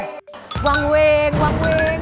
วังเวงวังเวงวังเวง